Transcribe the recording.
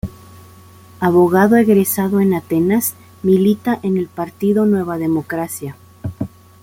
Abogado egresado en Atenas, milita en el partido Nueva Democracia.